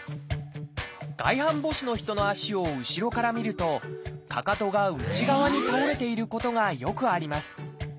外反母趾の人の足を後ろから見るとかかとが内側に倒れていることがよくあります。